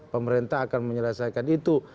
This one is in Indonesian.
pemerintah akan menyelesaikan itu